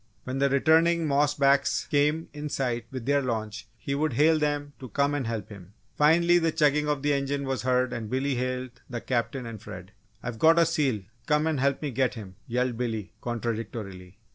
When the returning "moss backs" came in sight with their launch he would hail them to come and help him. Finally, the chugging of the engine was heard and Billy hailed the Captain and Fred. "I've got a seal come and help me get him!" yelled Billy, contradictorily.